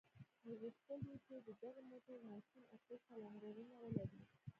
نو غوښتل يې چې د دغه موټر ماشين اته سلنډرونه ولري.